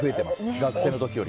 学生の時より。